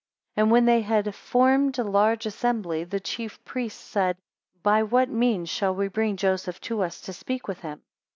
7 And when they had formed a large assembly, the chief priests said, By what means shall we bring Joseph to us to speak with him?